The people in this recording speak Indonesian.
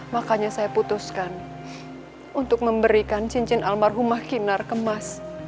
makanya saya putuskan untuk memberikan cincin almarhumah kinar kemas